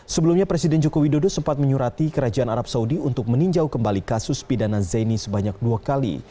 sebelumnya presiden joko widodo sempat menyurati kerajaan arab saudi untuk meninjau kembali kasus pidana zaini sebanyak dua kali